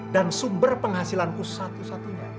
dan sumber penghasilanku satu satunya